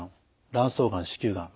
卵巣がん子宮がん